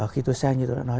khi tôi xem như tôi đã nói